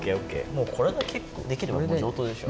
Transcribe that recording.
もうこれだけできれば上等でしょ。